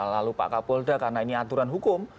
lalu pak kapolda karena ini aturan hukum